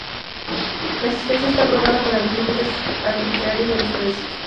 La existencia está probada para los límites arbitrarios de los precios.